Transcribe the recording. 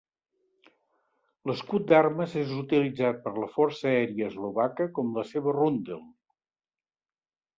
L'escut d'armes és utilitzat per la força aèria Eslovaca com la seva roundel.